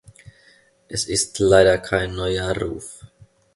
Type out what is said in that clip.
Es ist leider kein neuer Ruf.